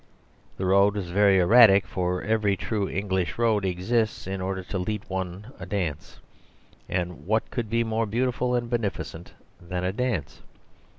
The road was very erratic, for every true English road exists in order to lead one a dance; and what could be more beautiful and beneficent than a dance?